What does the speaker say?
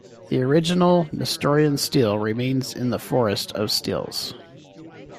The original Nestorian Stele remains in the Forest of Steles.